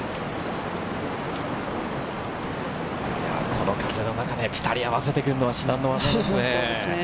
この風の中でピタリ合わせてくるのは至難の技ですね。